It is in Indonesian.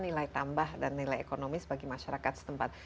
nilai tambah dan nilai ekonomis bagi masyarakat setempat